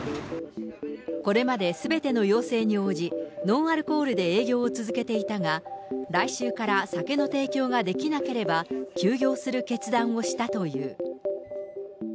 これまですべての要請に応じ、ノンアルコールで営業を続けていたが、来週から酒の提供ができなければ、休業する決断をしたという。